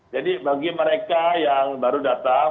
jadi bagi mereka yang baru datang